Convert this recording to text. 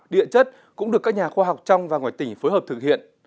địa chất cũng được các nhà khoa học trong và ngoài tỉnh phối hợp thực hiện